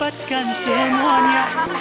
saya masih banyak